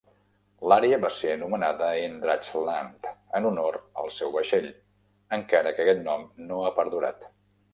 L'àrea va ser anomenada "Eendrachtsland" en honor al seu vaixell, encara que aquest nom no ha perdurat.